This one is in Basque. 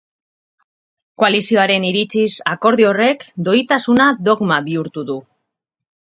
Koalizioaren iritziz, akordio horrek doitasuna dogma bihurtu du.